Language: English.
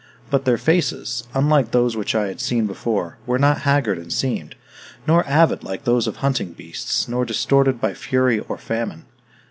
But their faces, unlike those which I had seen before, were not haggard and seamed, nor avid like those of hunting beasts, nor distorted by fury or famine.